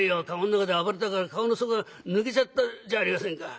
駕籠の中で暴れたから駕籠の底が抜けちゃったじゃありませんか」。